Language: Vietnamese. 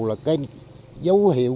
là cái dấu hiệu